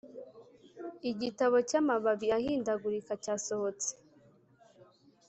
igitabo cyamababi ahindagurika cyasohotse